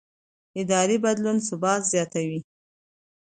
اداري بدلون ثبات زیاتوي